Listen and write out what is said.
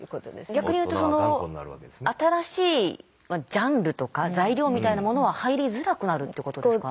逆にいうとその新しいジャンルとか材料みたいなものは入りづらくなるってことですか？